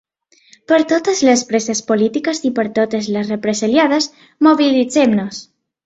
Per totes les preses polítiques i per totes les represaliades: mobilitzem-nos!